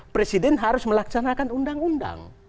presiden harus melaksanakan undang undang